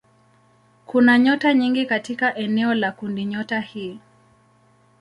Kuna nyota nyingi katika eneo la kundinyota hii.